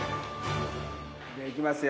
じゃあ行きますよ。